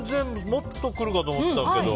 もっと来るかと思ったけど。